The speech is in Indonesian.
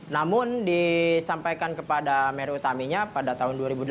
namun disampaikan kepada mary utaminya pada tahun dua ribu delapan